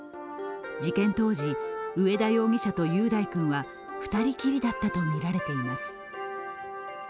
事件当時、上田容疑者と雄大君は２人きりだったとみられています。